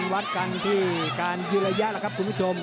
วัดกันคือการยื่นละยะนะครับคุณผู้ชม